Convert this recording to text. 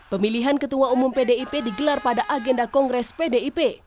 pemilihan ketua umum pdip digelar pada agenda kongres pdip